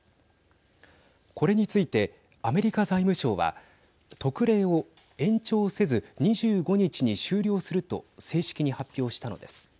これについてアメリカ財務省は特例を延長せず２５日に終了すると正式に発表したのです。